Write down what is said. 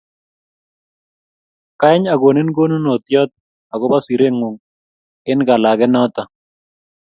kany akonin kakononutiot akobo siret ng'ung' eng kalang'et noto